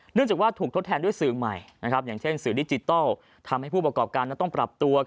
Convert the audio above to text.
จากว่าถูกทดแทนด้วยสื่อใหม่อย่างเช่นสื่อดิจิทัลทำให้ผู้ประกอบการนั้นต้องปรับตัว